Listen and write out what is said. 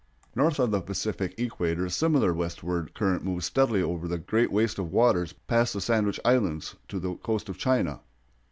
North of the Pacific equator a similar westward current moves steadily over the great waste of waters past the Sandwich Islands to the coast of China.